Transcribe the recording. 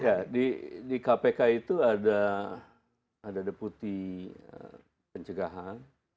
ya di kpk itu ada deputi pencegahan